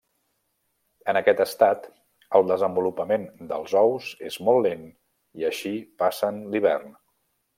En aquest estat el desenvolupament dels ous és molt lent i així passen l'hivern.